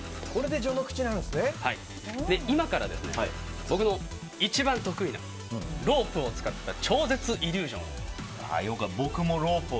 今から僕の一番得意なロープを使った超絶イリュージョンを。